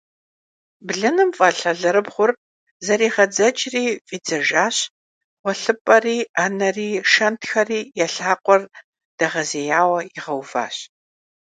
Блыным фӀэлъ алэрыбгъур зэригъэдзэкӀри фӀидзэжащ, гъуэлъыпӀэри, Ӏэнэри, шэнтхэри я лъакъуэр дэгъэзеяуэ игъэуващ.